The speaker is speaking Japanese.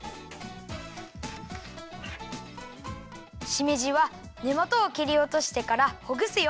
しめじはねもとをきりおとしてからほぐすよ。